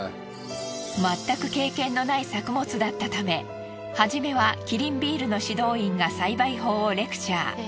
まったく経験のない作物だったため初めはキリンビールの指導員が栽培法をレクチャー。